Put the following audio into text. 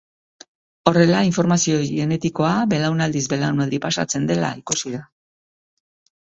Horrela, informazio genetikoa belaunaldiz belaunaldi pasatzen dela ikusi da.